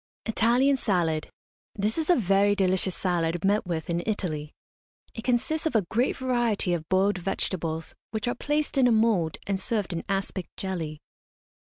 ITALIAN SALAD. This is a very delicious salad, met with in Italy. It consists of a great variety of boiled vegetables, which are placed in a mould and served in aspic jelly.